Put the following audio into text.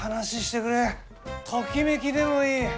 ときめきでもいい！